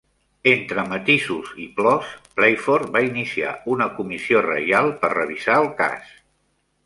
Entre matisos i plors, Playford va iniciar una Comissió Reial per revisar el cas.